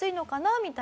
みたいな。